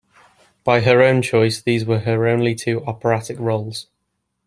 By her own choice, these were her only two operatic roles.